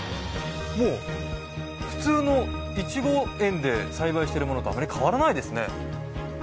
もう、普通のイチゴ園で栽培しているものとあまり変わらないですね。